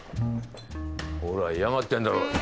ほら嫌がってんだろ。